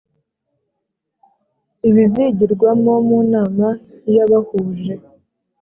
ibizigirwamo munama yabahuje